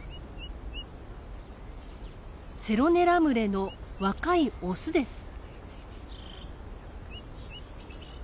セロネラ群れの若いオスです。